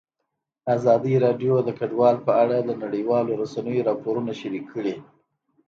ازادي راډیو د کډوال په اړه د نړیوالو رسنیو راپورونه شریک کړي.